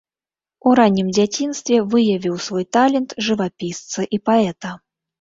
У раннім дзяцінстве выявіў свой талент жывапісца і паэта.